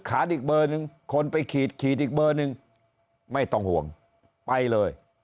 อีกเบอร์หนึ่งคนไปขีดขีดอีกเบอร์หนึ่งไม่ต้องห่วงไปเลย